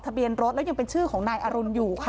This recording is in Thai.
เบียนรถแล้วยังเป็นชื่อของนายอรุณอยู่ค่ะ